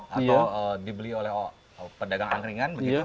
atau dibeli oleh pedagang angkringan begitu